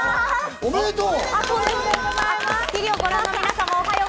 おめでとう！